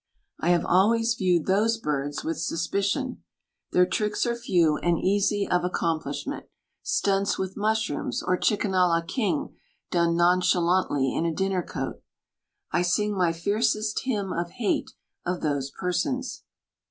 I have always viewed those birds with suspicion. Their tricks are few and easy of accomplishment — stunts with mushrooms, or chicken a la king done nonchalantly in a dinner coat. I sing my fiercest hymn of hate of those persons.